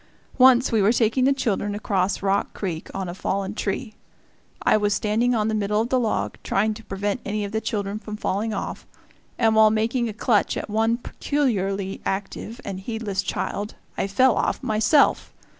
Once we were taking the children across Rock Creek on a fallen tree. I was standing on the middle of the log trying to prevent any of the children from falling off, and while making a clutch at one peculiarly active and heedless child I fell off myself.